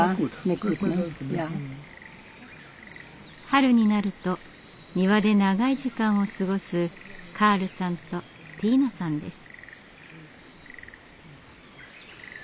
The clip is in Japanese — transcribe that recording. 春になると庭で長い時間を過ごすカールさんとティーナさんです。